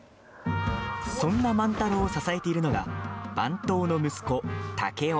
そんな万太郎を支えているのが番頭の息子、竹雄。